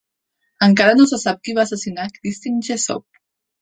Encara no se sap qui va assassinar Christine Jessop.